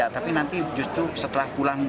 tapi nanti justru setelah pulang